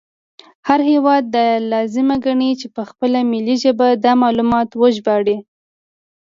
هر هیواد دا لازمه ګڼي چې په خپله ملي ژبه دا معلومات وژباړي